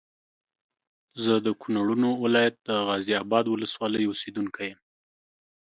زه د کونړونو ولايت د غازي اباد ولسوالۍ اوسېدونکی یم